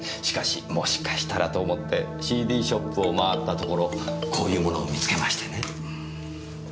しかしもしかしたらと思ってＣＤショップを回ったところこういうものを見つけましてね。